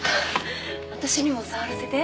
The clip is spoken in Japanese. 私にも触らせて。